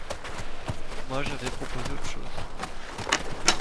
Moi, j’avais proposé autre chose.